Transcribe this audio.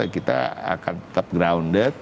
kita akan tetap grounded